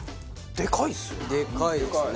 でかいですね。